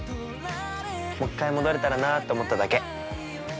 ◆もう１回戻れたらなって思っただけ。